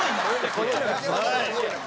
すごいな！